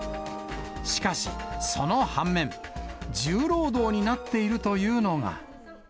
しかし、その反面、重労働になっているというのが。